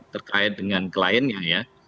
terkait dengan kliennya ya